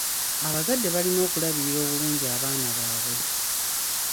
Abazadde balina okulabirira obulungi abaana baabwe.